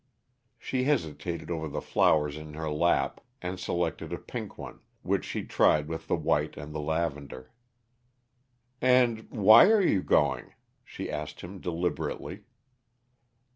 She hesitated over the flowers in her lap, and selected a pink one, which she tried with the white and the lavender. "And why are you going?" she asked him deliberately.